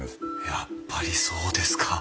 やっぱりそうですか。